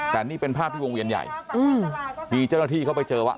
แต่นี่เป็นภาพที่วงเวียนใหญ่มีเจ้าหน้าที่เข้าไปเจอว่า